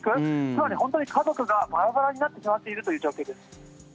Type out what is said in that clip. つまり本当に家族がバラバラになってしまっているという状況です。